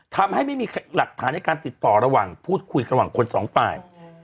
ทำให้ไม่มีหลักฐานในการติดต่อระหว่างพูดคุยระหว่างคนสองฝ่าย